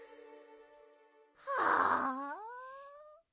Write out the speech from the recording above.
はあ。